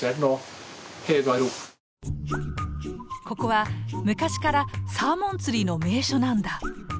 ここは昔からサーモン釣りの名所なんだ。